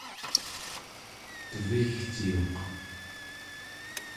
tevigciuq